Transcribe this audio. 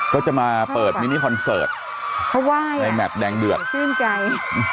เขาจะมาเปิดมินิคอนเสิร์ตในแมพแดงเดือดเส้นใกล้